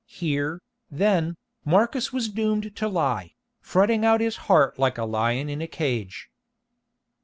Here, then, Marcus was doomed to lie, fretting out his heart like a lion in a cage.